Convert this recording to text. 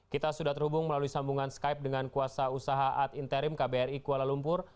kita sudah terhubung melalui sambungan skype dengan kuasa usaha ad interim kbri kuala lumpur